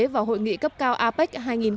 và hội nghị cấp cao apec hai nghìn một mươi bảy